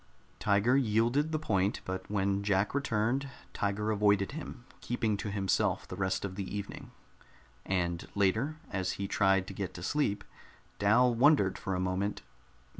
Tiger yielded the point, but when Jack returned, Tiger avoided him, keeping to himself the rest of the evening. And later, as he tried to get to sleep, Dal wondered for a moment.